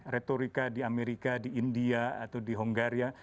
retorika di amerika di india atau di hongaria